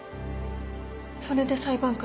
それで裁判官に？